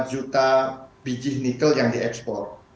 empat juta biji nikel yang diekspor